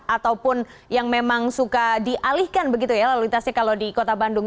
ataupun yang memang suka dialihkan begitu ya lalu lintasnya kalau di kota bandung